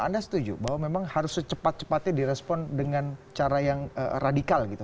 anda setuju bahwa memang harus secepat cepatnya direspon dengan cara yang radikal gitu